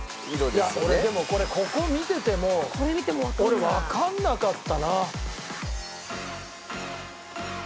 いや俺でもこれここを見てても俺わかんなかったな。